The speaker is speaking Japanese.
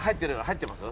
入ってます？